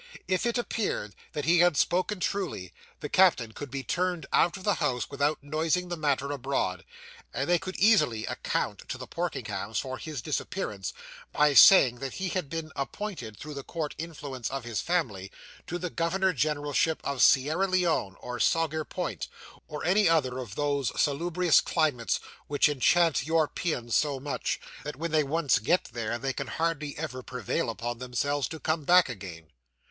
If it appeared that he had spoken truly, the captain could be turned out of the house without noising the matter abroad, and they could easily account to the Porkenhams for his disappearance, by saying that he had been appointed, through the Court influence of his family, to the governor generalship of Sierra Leone, of Saugur Point, or any other of those salubrious climates which enchant Europeans so much, that when they once get there, they can hardly ever prevail upon themselves to come back again.